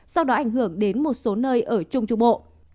sau đó ảnh hưởng đến một số nơi ở trung trung bộ